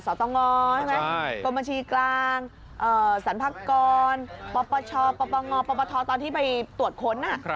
สตงใช่ไหมกรมบัญชีกลางสรรพากรปชปปงปปทตอนที่ไปตรวจค้น